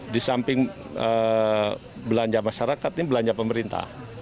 di samping belanja masyarakat ini belanja pemerintah